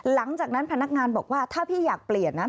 หลังจากนั้นพนักงานบอกว่าถ้าพี่อยากเปลี่ยนนะ